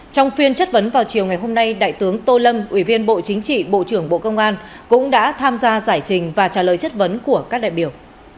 trong phiên chất vấn vào chiều ngày hôm nay đại tướng tô lâm ủy viên bộ chính trị bộ trưởng bộ công an cũng đã tham gia giải trình và trả lời chất vấn của các đại biểu